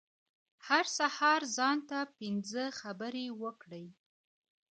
هر سهار ځان ته پنځه خبرې وکړئ .